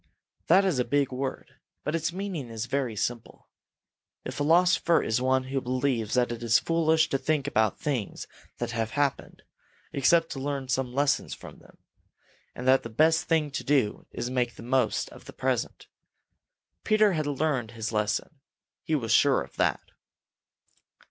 That is a big word, but its meaning is very simple. A philosopher is one who believes that it is foolish to think about things that have happened, except to learn some lesson from them, and that the best thing to do is to make the most of the present. Peter had learned his lesson. He was sure of that.